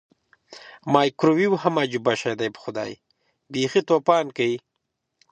مایکرو ویو هم عجبه شی دی پخدای بیخې توپان کوي.